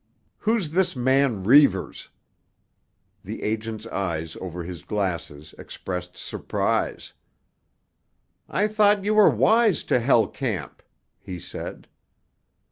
"Who's this man Reivers?" The agent's eyes over his glasses expressed surprise. "I thought you were wise to Hell Camp?" he said.